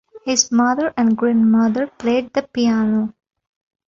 His mother and grandmother played the piano.